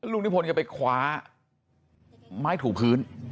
ลูกนิพนธ์กันไปคว้าไม้ถูกพื้น